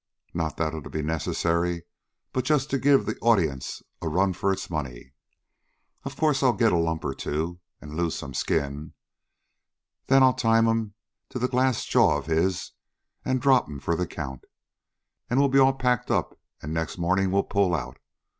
Not that it'll be necessary, but just to give the audience a run for its money. Of course, I'll get a lump or two, an' lose some skin. Then I'll time 'm to that glass jaw of his an' drop 'm for the count. An' we'll be all packed up, an' next mornin' we'll pull out.